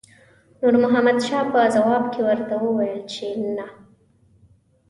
نور محمد شاه په ځواب کې ورته وویل چې نه.